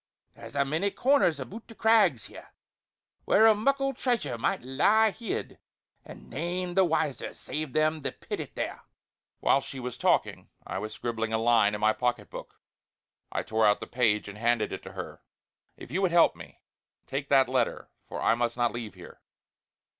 There's a many corners aboot the crags here, where a muckle treasure might lie hid, an' nane the wiser save them that pit it there!" Whilst she was talking I was scribbling a line in my pocket book; I tore out the page and handed it to her: "If you would help me take that letter for I must not leave here.